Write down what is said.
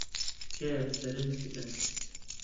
تکایە سەرنج بدەن.